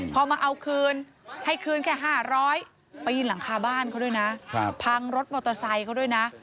พอมาเอาคืนให้คืนแค่๕๐๐ปีนหลังคาบ้านเขาด้วยนะพังรถมอเตอร์ไซค์เขาด้วยนะ